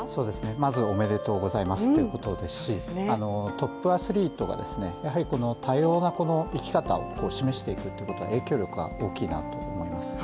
まずおめでとうございますということですしトップアスリートが多様な生き方を示していくということは影響力が大きいなと思います。